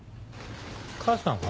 母さんは？